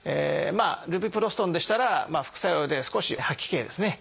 ルビプロストンでしたら副作用で少し吐き気ですね。